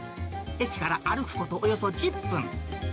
駅から歩くことおよそ１０分。